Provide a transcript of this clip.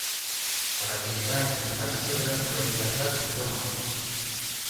Вара кенета Инаш чодыраш пурен кайышат, йомо.